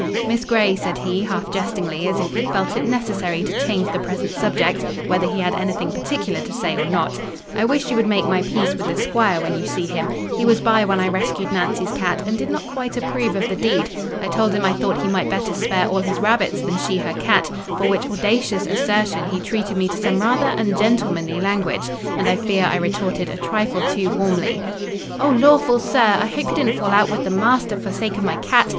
"Miss Grey," said he, half jestingly, as if he felt it necessary to change the present subject, whether he had anything particular to say or not, "I wish you would make my peace with the squire, when you see him. He was by when I rescued Nancy's cat, and did not quite approve of the deed. I told him I thought he might better spare all his rabbits than she her cat, for which audacious assertion he treated me to some rather ungentlemanly language; and I fear I retorted a trifle too warmly." "Oh, lawful sir! I hope you didn't fall out wi' th' maister for sake o' my cat!